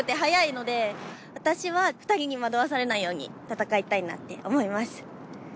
私は２人に惑わされないように戦いたいなって思います。